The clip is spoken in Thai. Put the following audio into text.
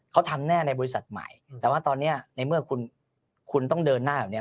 เขาทำแน่ในบริษัทใหม่แต่ว่าตอนนี้ในเมื่อคุณคุณต้องเดินหน้าแบบนี้